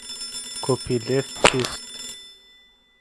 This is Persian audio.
کپی لفت چیست؟